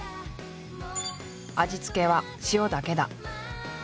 味付けは塩だけだ。